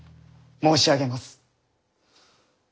申し上げます。